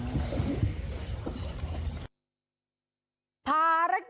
ช่วยพระด้วย